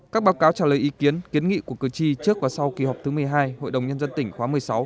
các báo cáo trả lời ý kiến kiến nghị của cử tri trước và sau kỳ họp thứ một mươi hai hội đồng nhân dân tỉnh khóa một mươi sáu